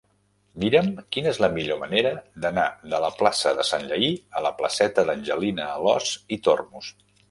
Mira'm quina és la millor manera d'anar de la plaça de Sanllehy a la placeta d'Angelina Alòs i Tormos.